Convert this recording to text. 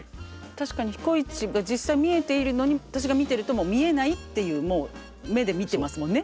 確かに彦市が実際見えているのに私が見てるともう見えないっていうもう目で見てますもんね。